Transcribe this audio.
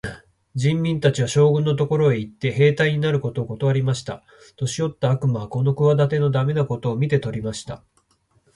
人民たちは、将軍のところへ行って、兵隊になることをことわりました。年よった悪魔はこの企ての駄目なことを見て取りました。